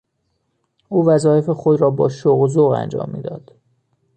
او وظایف خود را با شوق و ذوق انجام میداد.